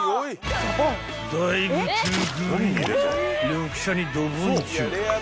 ［緑茶にどぼんちょ］